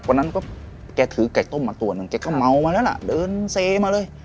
วันนั้นก็แกถือไก่ต้มมาตัวหนึ่งแกก็เมามาแล้วล่ะเดินเซมาเลย